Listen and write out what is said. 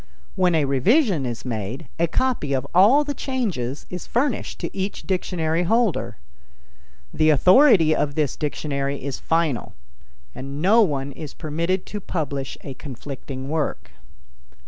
When a revision is made, a copy of all the changes is furnished to each dictionary holder. The authority of this dictionary is final, and no one is permitted to publish a conflicting work.